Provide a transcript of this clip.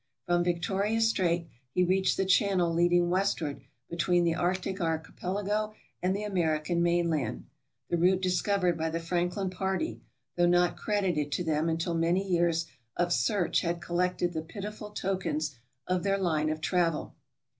From Victoria Strait he reached the channel leading westward between the arctic archipelago and the American mainland — the route discovered by the Franklin party, though not credited to them until many years of search had collected the pitiful tokens of their line of travel.